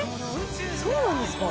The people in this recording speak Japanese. そうなんですか？